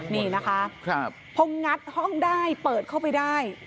นี่นะคะพองัดห้องได้เปิดเข้าไปได้